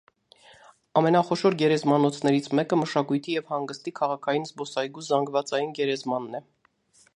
Ամենախոշոր գերեզմանոցներից մեկը մշակույթի և հանգստի քաղաքային զբոսայգու զանգվածային գերեզմանն է։